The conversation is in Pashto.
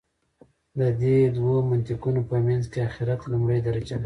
د دې دوو منطقونو په منځ کې آخرت لومړۍ درجه لري.